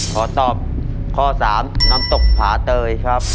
ขอตอบข้อ๓น้ำตกผาเตยครับ